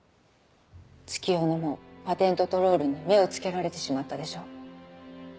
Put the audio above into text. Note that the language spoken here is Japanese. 月夜野もパテントトロールに目をつけられてしまったでしょ。